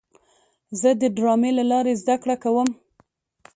زه د ډرامې له لارې زده کړه کوم.